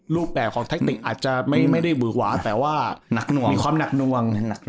รูปแบบของแทคติกอาจจะไม่ได้บุหวาแต่ว่ามีความนักนวง